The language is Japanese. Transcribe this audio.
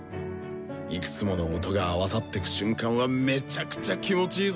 いくつもの音が合わさってく瞬間はめちゃくちゃ気持ちいいぞ。